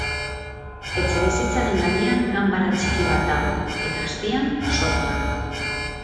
Etxebizitzaren gainean ganbara txiki bat dago, eta azpian sotoa.